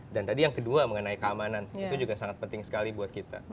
dan tadi yang kedua mengenai keamanan itu juga sangat penting sekali buat kita